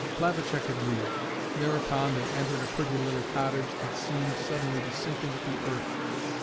Plavacek agreed. Thereupon they entered a pretty little cottage that seemed suddenly to sink into the earth.